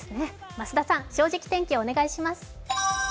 増田さん、「正直天気」をお願いします。